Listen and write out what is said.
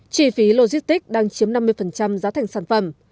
chi phí logistics đang chiếm năm mươi giá thành sản phẩm